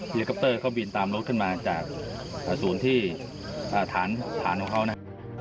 พีเยอร์กัปเตอร์เขาบินตามรถขึ้นมาจากศูนย์ที่อาถารณ์ของเขานะ